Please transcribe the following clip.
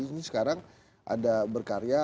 ini sekarang ada berkarya